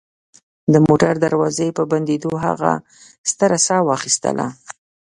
د موټر دروازې په بندېدو هغه ستره ساه واخیستله